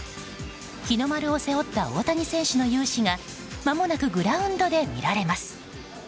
日の丸を背負った大谷選手の雄姿がまもなくグラウンドで見られます。